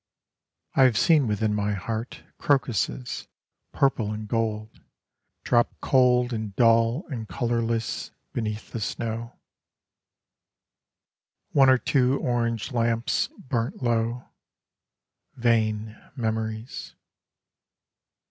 I have seen within my heart Crocuses, purple and gold, Drop cold and dull and colourless Beneath the snow. One or two orange lamps burnt low, Vain memories.